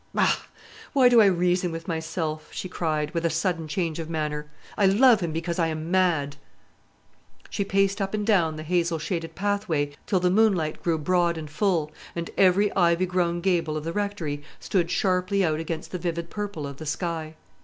Bah! why do I reason with myself?" she cried, with a sudden change of manner. "I love him because I am mad." She paced up and down the hazel shaded pathway till the moonlight grew broad and full, and every ivy grown gable of the Rectory stood sharply out against the vivid purple of the sky.